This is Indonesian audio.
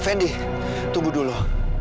fendi tunggu dulu